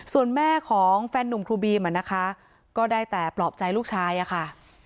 ส่วนแม่ของแฟนนุ่มครูบีมอ่ะนะคะก็ได้แต่ปลอบใจลูกชายอะค่ะ